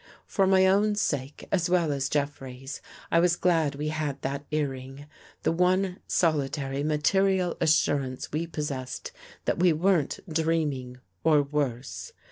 For my own sake, as well as Jeff rey's, I was glad we had that earring — the one solitary material assurance we possessed that we weren't dreaming or worse.